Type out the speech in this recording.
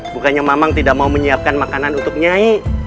bukannya memang tidak mau menyiapkan makanan untuk nyai